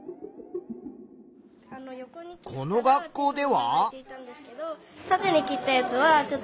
この学校では。